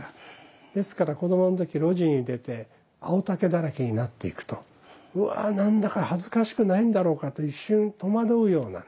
ですから子どもの時露地に出て青竹だらけになっていくと「うわあ何だか恥ずかしくないんだろうか」と一瞬戸惑うようなね